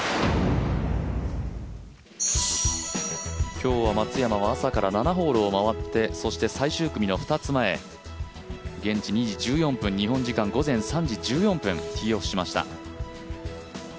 今日は松山は朝から７ホールを回ってそして最終組の２つ前、日本時間午前３時１４分、ティーオフしました。